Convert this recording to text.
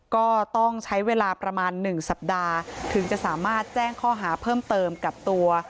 ก็ต้องใช้เวลาประมาณ๑สัปดาห์ถึงจะสามารถแจ้งข้อหาเพิ่มเติมกับตัว